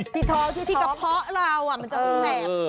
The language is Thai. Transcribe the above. ที่ท้องที่ที่กระเพาะเรามันจะแสบ